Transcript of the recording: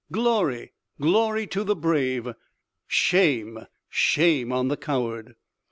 Glory, glory to the brave! Shame, shame on the coward!"